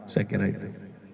saya kira itu